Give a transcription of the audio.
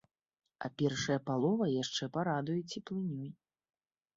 А першая палова яшчэ парадуе цеплынёй.